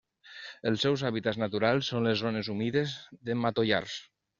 Els seus hàbitats naturals són les zones humides de matollars.